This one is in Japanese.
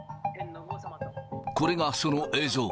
これがその映像。